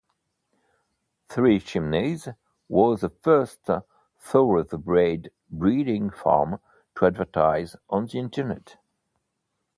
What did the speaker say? Three Chimneys was the first thoroughbred breeding farm to advertise on the Internet.